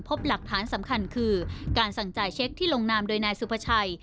พบหลักฐานสำคัญคือการสั่งจ่ายเช็คที่ลงนามโดยนายสุภาชัย